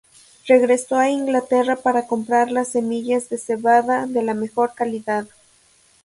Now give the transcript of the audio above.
Regresó a Inglaterra para comprar las semillas de cebada de la mejor calidad.